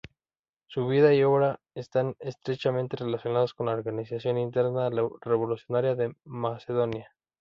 Su vida y obra están estrechamente relacionadas con la Organización Interna Revolucionaria de Macedonia.